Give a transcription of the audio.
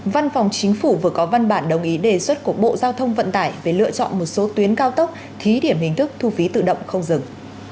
văn phòng chính phủ vừa có văn bản đồng ý đề xuất của bộ giao thông vận tải về lựa chọn một số tuyến cao tốc thí điểm hình thức thu phí tự động không dừng